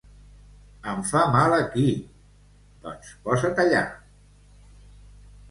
—Em fa mal aquí. —Doncs posa't allà.